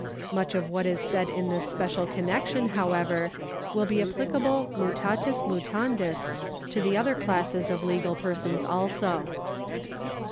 Much of what is said in this special connection, however, will be appUcable mutatis mutandis to the other classes of legal persons also.